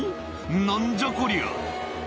なんじゃこりゃ。